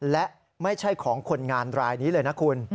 และไม่ใช่ของคนงานรายนี้เลยนะคุณ